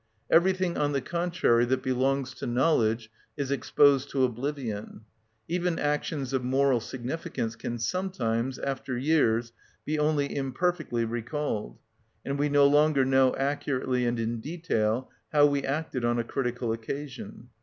Everything, on the contrary, that belongs to knowledge is exposed to oblivion; even actions of moral significance can sometimes, after years, be only imperfectly recalled, and we no longer know accurately and in detail how we acted on a critical occasion.